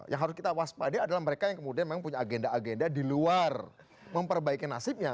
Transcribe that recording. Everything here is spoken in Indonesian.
yang harus kita waspadai adalah mereka yang kemudian memang punya agenda agenda di luar memperbaiki nasibnya